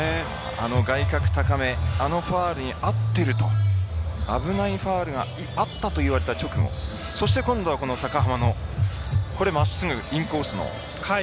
あの外角高めあのファウルに合っていると危ないファウルがあったと言われた直後そして今度は高濱のまっすぐインコースの。